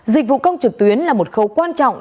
dịch vụ công trực tuyến là một khâu quan trọng